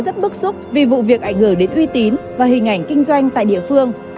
rất bức xúc vì vụ việc ảnh hưởng đến uy tín và hình ảnh kinh doanh tại địa phương